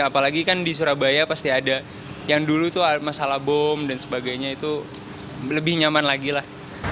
apalagi kan di surabaya pasti ada yang dulu tuh masalah bom dan sebagainya itu lebih nyaman lagi lah